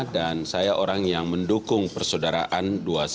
dan saya orang yang mendukung persaudaraan dua ratus dua belas